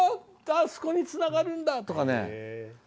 あそこにつながるんだー！とかね。